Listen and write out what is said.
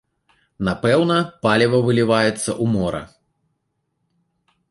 Напэўна, паліва выліваецца ў мора.